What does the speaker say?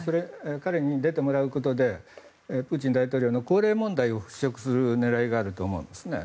彼に出てもらうことでプーチン大統領の高齢問題を払拭する狙いがあると思うんですね。